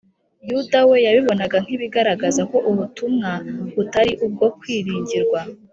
yuda we yabibonaga nk’ibigaragaza ko ubutumwa butari ubwo kwiringirwa